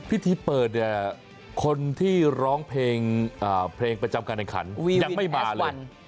พิธีเปิดเนี่ยคนที่ร้องเพลงเพลงประจำการแข่งขันยังไม่มาเลย